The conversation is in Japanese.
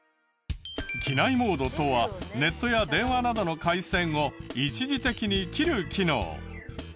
機内モードとはネットや電話などの回線を一時的に切る機能。